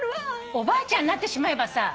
おばあちゃんになってしまえばさ